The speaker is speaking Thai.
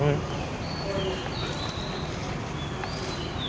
และตัวพิยุตเองก็คงจะเสียใจมากเช่นกัน